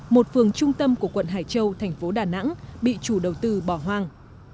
một phường trung tâm của quận hải châu thành phố đà nẵng bị chủ đầu tư bỏ hoang